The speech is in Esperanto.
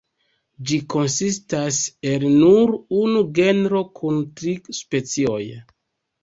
Ĝi konsistas el nur unu genro kun tri specioj.